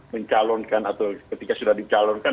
mencalonkan atau ketika sudah dicalonkan